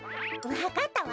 わかったわ！